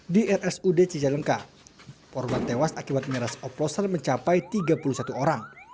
di rsud cicalengka korban tewas akibat miras oplosan mencapai tiga puluh satu orang